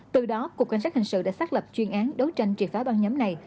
từ đó cục cảnh sát hình sự đã xác lập chuyên án đấu tranh triệt phá băng nhóm này